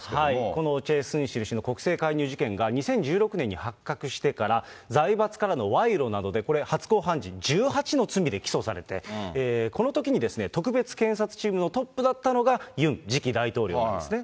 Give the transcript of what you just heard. このチェ・スンシル氏の国政介入事件が、２０１６年に発覚してから、財閥からの賄賂などで、初公判時に１８の罪で起訴されて、このときに特別検察チームのトップだったのが、ユン次期大統領なんですね。